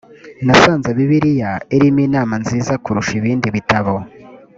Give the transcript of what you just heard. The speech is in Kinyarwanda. nasanze bibiliya irimo inama nziza kurusha ibindi bitabo